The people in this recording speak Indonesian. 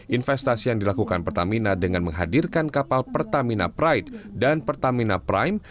investasi yang dilakukan pertamina dengan menghadirkan kapal pertamina pride dan pertamina prime